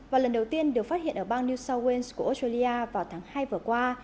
và lần đầu tiên được phát hiện ở bang new south wales của australia vào tháng hai vừa qua